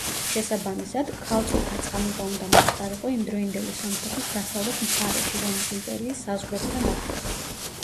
შესაბამისად, ქალწულთა წამება უნდა მომხდარიყო იმდროინდელი სომხეთის დასავლეთ მხარეში, რომის იმპერიის საზღვრებთან ახლოს.